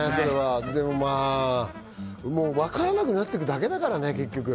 もう分からなくなっていくだけだからね。